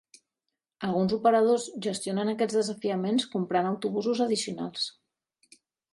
Alguns operadors gestionen aquests desafiaments comprant autobusos addicionals.